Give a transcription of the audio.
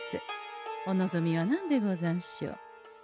お望みは何でござんしょう？